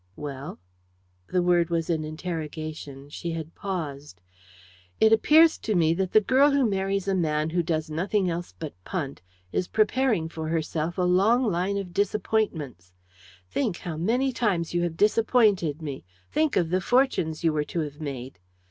"Well?" The word was an interrogation. She had paused. "It appears to me that the girl who marries a man who does nothing else but 'punt' is preparing for herself a long line of disappointments. Think how many times you have disappointed me. Think of the fortunes you were to have made.